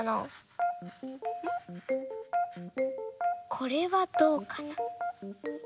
これはどうかな？